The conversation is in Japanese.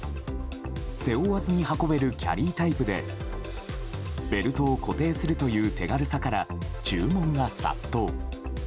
背負わずに運べるキャリータイプでベルトを固定するという手軽さから注文が殺到。